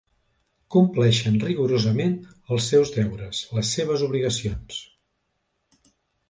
Compleixen rigorosament els seus deures, les seves obligacions.